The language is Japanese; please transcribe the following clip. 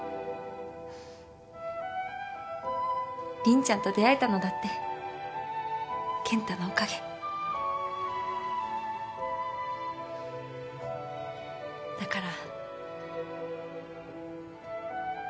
凛ちゃんと出会えたのだって健太のおかげ。だから。